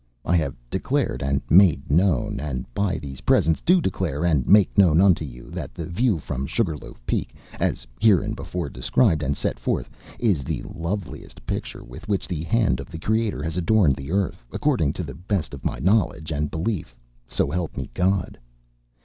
I have declared and made known, and by these presents do declare and make known unto you, that the view from Sugar Loaf Peak, as hereinbefore described and set forth, is the loveliest picture with which the hand of the Creator has adorned the earth, according to the best of my knowledge and belief, so help me God.